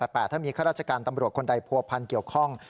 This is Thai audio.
แต่ถ้ามีข้าราชการตำรวจคนใดผัวพันเกี่ยวข้อง